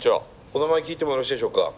お名前聞いてもよろしいでしょうか？